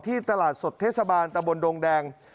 ตลาดสดเทศบาลตะบนดงแดง